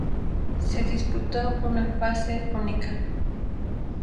Se disputó una fase única.